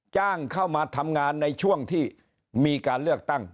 จ้างเข้ามาทำงานในช่วงที่มีการเลือกตั้ง